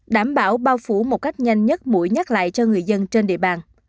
đảm bảo bao phủ một cách nhanh nhất mũi nhắc lại cho người dân trên địa bàn